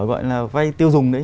gọi là vay tiêu dùng đấy